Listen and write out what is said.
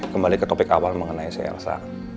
kembali ke topik awal mengenai si elsa